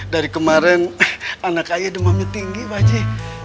dari kemarin anak ayah demamnya tinggi pak j